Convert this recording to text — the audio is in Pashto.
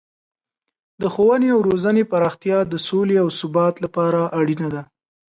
د ښوونې او روزنې پراختیا د سولې او ثبات لپاره اړینه ده.